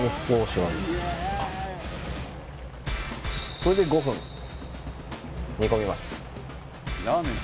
これで５分煮込みます